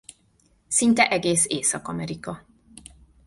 Szinte egész Észak-Amerika.